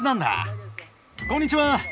こんにちは。